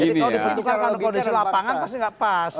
kalau diberi tukar kan kalau diberi lapangan pasti gak pas